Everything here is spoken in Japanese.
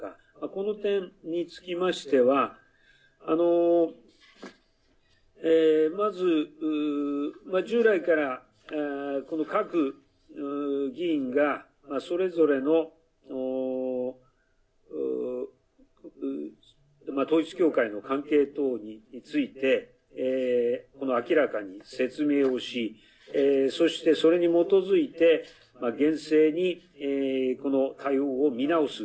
この点につきましてはまず、従来からこの各議員が、それぞれの統一教会の関係等について明らかに説明をしそして、それに基づいて厳正に対応を見直す。